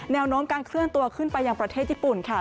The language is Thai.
แนวโน้มการเคลื่อนตัวขึ้นไปยังประเทศญี่ปุ่นค่ะ